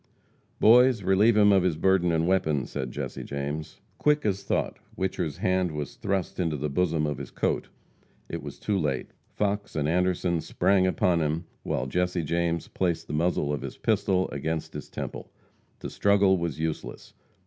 "Boys, relieve him of his burden and weapons," said Jesse James. Quick as thought, Whicher's hand was thrust into the bosom of his coat. It was too late. Fox and Anderson sprang upon him, while Jesse James placed the muzzle of his pistol against his temple. To struggle was useless.